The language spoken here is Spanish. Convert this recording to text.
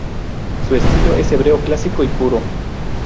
Su estilo es hebreo clásico y puro.